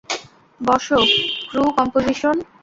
বসো - crew composition!